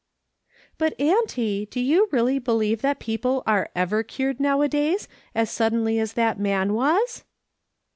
"" But, auntie, do you really believe that people are ever cured nowadays as suddenly as that man was